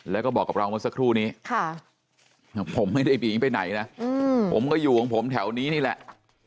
แล้วก็บอกกับเราเมื่อสักครู่นี้ผมไม่ได้หนีไปไหนนะผมก็อยู่ของผมแถวนี้นี่แหละ